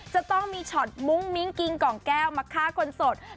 จะต้องมีช็อตมุ้งมิ้งกิงกล่องแก้วมาฆ่าคนสด